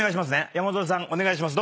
山添さんお願いします。